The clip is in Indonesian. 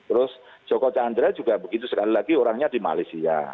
terus joko chandra juga begitu sekali lagi orangnya di malaysia